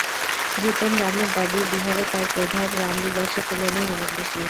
জিতন রামের দাবি, বিহারে তাঁর প্রভাব রাম বিলাসের তুলনায় অনেক বেশি।